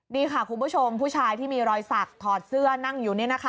นี่ค่ะคุณผู้ชมผู้ชายที่มีรอยสักถอดเสื้อนั่งอยู่นี่นะคะ